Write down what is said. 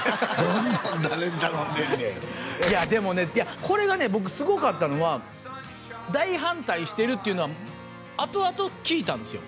いやでもねいやこれがね僕すごかったのは大反対してるっていうのはあとあと聞いたんですよ